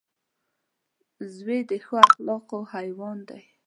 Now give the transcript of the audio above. وزې د ښو اخلاقو حیوان دی